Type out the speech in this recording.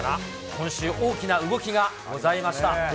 今週、大きな動きがございました。